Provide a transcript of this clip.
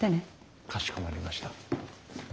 かしこまりました。